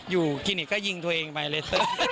คลินิกก็ยิงตัวเองไปเลย